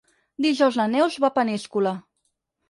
Dijous na Neus va a Peníscola.